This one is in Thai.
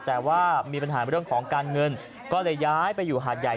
แต่ว่ามีปัญหาเรื่องของการเงินก็เลยย้ายไปอยู่หาดใหญ่